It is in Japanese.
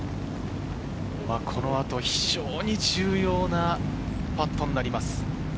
この後、非常に重要なパットになります。